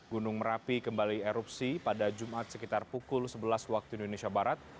gunung merapi kembali erupsi pada jumat sekitar pukul sebelas waktu indonesia barat